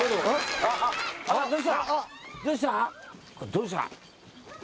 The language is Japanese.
どうした？